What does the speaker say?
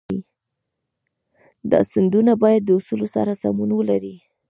دا سندونه باید د اصولو سره سمون ولري.